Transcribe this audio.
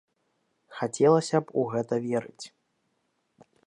Хацелася б у гэта верыць.